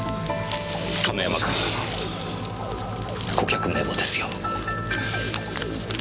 亀山君顧客名簿ですよ。